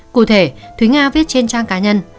cụ thể thúy nga viết trên trang cá nhân